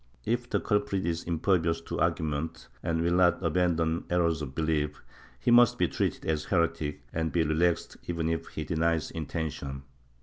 If the culprit is impervious to argument and will not abandon errors of belief, he must be treated as a heretic and be relaxed even if he denies intention.